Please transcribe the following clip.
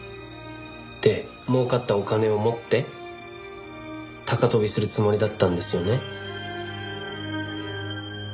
で儲かったお金を持って高飛びするつもりだったんですよね？